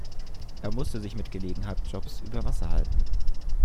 Er musste sich mit Gelegenheitsjobs über Wasser halten.